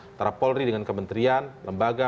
antara polri dengan kementerian lembaga